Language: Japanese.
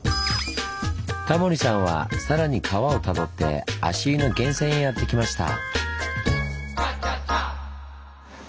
タモリさんはさらに川をたどって足湯の源泉へやって来ました。